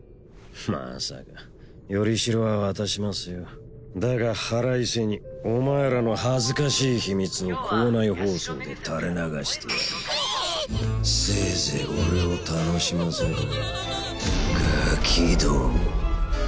まさか依代は渡しますよだが腹いせにお前らの恥ずかしい秘密を校内放送でたれ流してやるヒッせいぜい俺を楽しませろよ